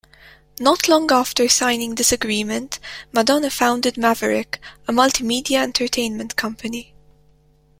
Not long after signing this agreement Madonna founded Maverick, a multi-media entertainment company.